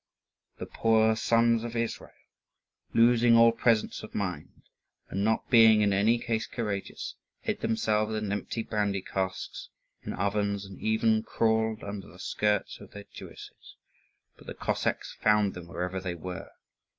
The poor sons of Israel, losing all presence of mind, and not being in any case courageous, hid themselves in empty brandy casks, in ovens, and even crawled under the skirts of their Jewesses; but the Cossacks found them wherever they were.